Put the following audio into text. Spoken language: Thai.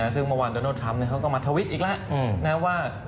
ซึ่งเมื่อวานดอนาลด์ทรัมป์เนี่ยเขาก็มาทวิตอีกแล้วนะครับว่า